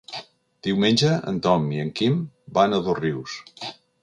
Diumenge en Tom i en Quim van a Dosrius.